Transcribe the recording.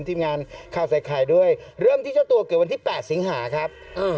ทีมงานข่าวใส่ไข่ด้วยเริ่มที่เจ้าตัวเกิดวันที่๘สิงหาครับ